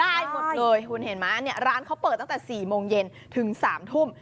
ได้หมดเลยคุณเห็นไหมเนี่ยร้านเขาเปิดตั้งแต่๔โมงเย็นถึง๓ทุ่ม